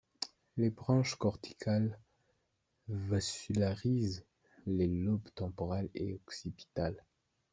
Les branches corticales vasularisent les lobes temporal et occipital.